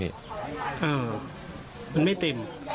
ร้านของรัก